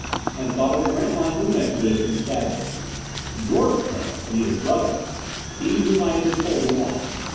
And thought of the Grantline Moon Expedition stabbed at me. George Prince Anita's brother he whom I had been told to watch.